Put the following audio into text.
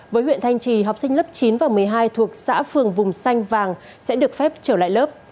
với huyện thanh trì học sinh lớp chín và một mươi hai thuộc xã phường vùng xanh vàng sẽ được phép trở lại lớp